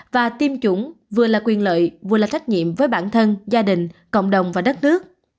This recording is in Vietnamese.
và tiêm chủng vừa là quyền lợi vừa là trách nhiệm với bản thân gia đình cộng đồng và đất nước